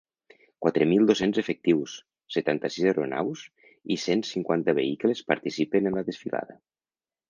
Quatre mil dos-cents efectius, setanta-sis aeronaus i cent cinquanta vehicles participen en la desfilada.